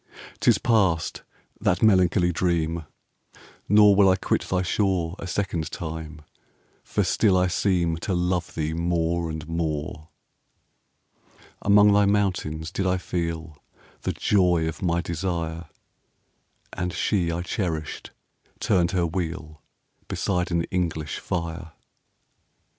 'Tis past, that melancholy dream! 5 Nor will I quit thy shore A second time; for still I seem To love thee more and more. Among thy mountains did I feel The joy of my desire; 10 And she I cherished turned her wheel Beside an English fire.